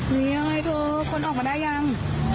มียังไงเถอะคนออกมาได้ยัง